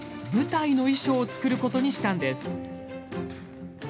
舞台の衣装を作ることにしたんです。